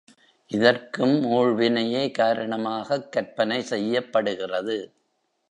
இதற்கும் ஊழ்வினையே காரணமாகக் கற்பனை செய்யப்படுகிறது.